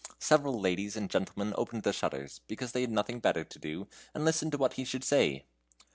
Several ladies and gentlemen opened the shutters, because they had nothing better to do, and listened to what he should say.